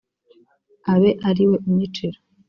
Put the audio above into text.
abe ariwe unyicira